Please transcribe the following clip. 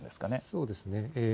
そうですね。